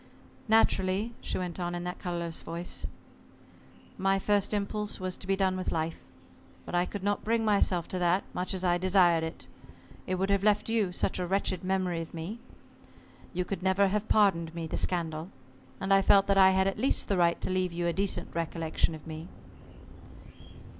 "Naturally," she went on in that colorless voice, "my first impulse was to be done with life. But I could not bring myself to that, much as I desired it. It would have left you such a wretched memory of me. You could never have pardoned me the scandal and I felt that I had at least the right to leave you a decent recollection of me."